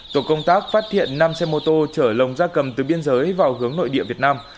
tổ công tác phát hiện năm xe mô tô chở lồng ra cầm từ biên giới vào hướng nội địa việt nam